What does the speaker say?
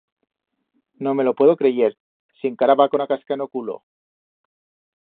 No me lo puedo creyer, si encara va con a casca en o culo!